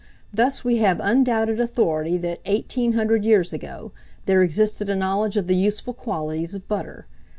Thus we have undoubted authority that, eighteen hundred years ago, there existed a knowledge of the useful qualities of butter.